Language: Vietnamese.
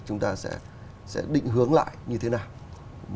chúng ta sẽ định hướng lại như thế nào